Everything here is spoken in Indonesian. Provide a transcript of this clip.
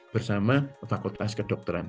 bersama fakultas kedokteran